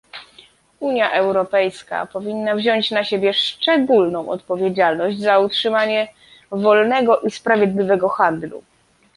Unia Europejska powinna wziąć na siebie szczególną odpowiedzialność za utrzymanie wolnego i sprawiedliwego handlu